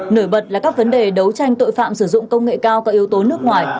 nổi bật là các vấn đề đấu tranh tội phạm sử dụng công nghệ cao có yếu tố nước ngoài